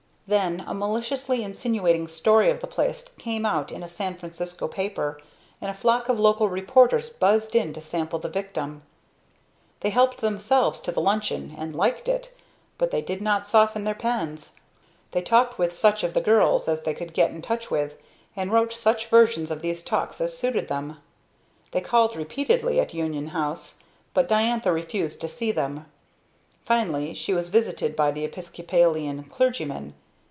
Then a maliciously insinuating story of the place came out in a San Francisco paper, and a flock of local reporters buzzed in to sample the victim. They helped themselves to the luncheon, and liked it, but that did not soften their pens. They talked with such of the girls as they could get in touch with, and wrote such versions of these talks as suited them. They called repeatedly at Union House, but Diantha refused to see them. Finally she was visited by the Episcopalian clergyman.